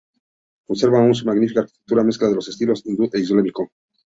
Conserva aún su magnífica arquitectura mezcla de los estilos hindú e islámico.